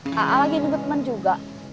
kakak lagi nunggu temen juga